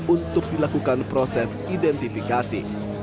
untuk dilakukan proses identifikasi